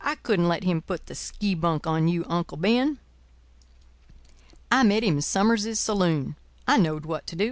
I couldn't let him put the skibunk on you, Uncle Ben. I met him in Summers's saloon. I knowed what to do.